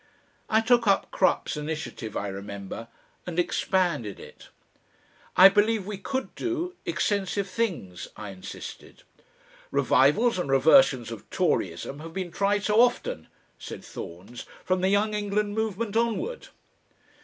I took up Crupp's initiative, I remember, and expanded it. "I believe we could do extensive things," I insisted. "Revivals and revisions of Toryism have been tried so often," said Thorns, "from the Young England movement onward."